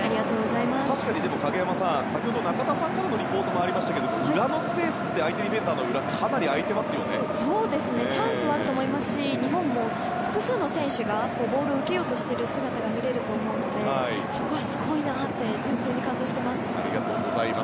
確かに影山さん先ほど中田さんからのリポートもありましたけども裏のスペースってチャンスはあると思いますし日本も複数の選手がボールを受けようとしている姿が見れると思うのでそこはすごいなと純粋に感動しています。